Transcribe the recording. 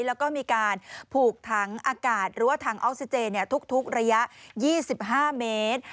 แล้วก็ปลูกทางอากาศทุกระยะ๒๕เมตร